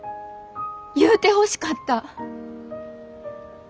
言うてほしかった。